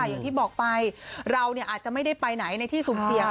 อย่างที่บอกไปเราอาจจะไม่ได้ไปไหนในที่สุ่มเสี่ยง